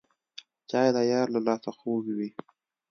چای د یار له لاسه خوږ وي